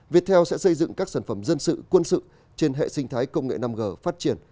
viettel sẽ xây dựng các sản phẩm dân sự quân sự trên hệ sinh thái công nghệ năm g phát triển